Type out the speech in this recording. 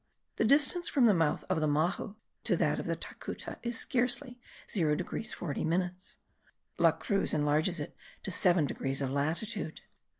The distance from the mouth of the Mahu to that of the Tacutu is scarcely 0 degrees 40 minutes; La Cruz enlarges it to 7 degrees of latitude.